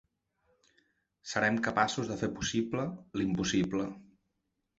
Serem capaços de fer possible, l’impossible.